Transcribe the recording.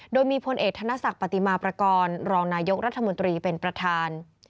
โดยมีพลเอกธนศักดิ์ปฏิมาประกอบรองนายกรัฐมนตรีเป็นประธาน